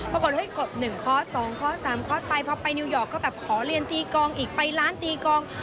ปรากฏเฮ้ยกบ๑คอร์ส๒คอร์ส๓คอร์สไปพอไปนิวยอร์กก็แบบขอเรียนตีกองอีกไปร้านตีกอง